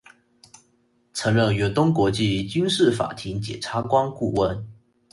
曾任远东国际军事法庭检察官顾问。